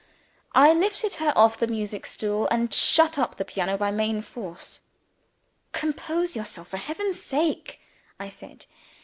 I lifted her off the music stool, and shut up the piano by main force. "Compose yourself for heaven's sake," I said.